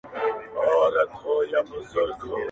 زما له ملا څخه په دې بد راځي.